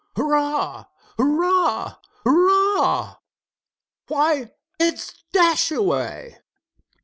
"Hurrah! hurrah! hurrah!" "Why, it's Dashaway!"